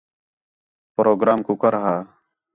پروگرام کُکر ہا؟